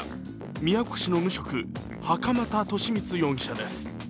宮古市の無職、袴田稔光容疑者です